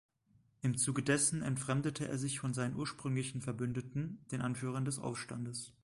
Im Zuge dessen entfremdete er sich von seinen ursprünglichen Verbündeten, den Anführern des Aufstandes.